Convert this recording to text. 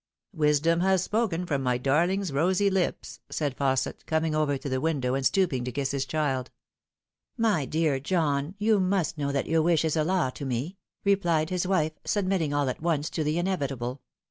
Wisdom has spoken from my darling's rosy lips," said Faus set, coming over to the window and stooping to kiss his child. " My dear John, you must know that your wish is a law to me," replied his wife, submitting all at once to the inevitable.